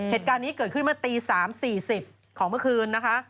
เหตุการณ์นี้เกิดขึ้นเมื่อตี๓๔๐ของเมื่อคืนนะคะ